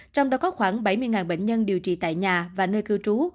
trong đó có khoảng bảy mươi bệnh nhân điều trị tại nhà và nơi cư trú